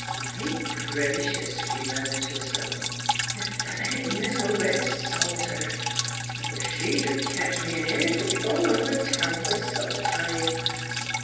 "My gracious!" she murmured to herself. "Ef that ain't Mis' Obed Salter! Ef she sh'd NEIGHBORS 31 ketch me in here 'twould be alt over town b' sup per time."